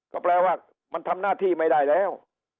ก็แปลว่ามันทำหน้าที่ไม่ได้แล้ว